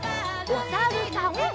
おさるさん。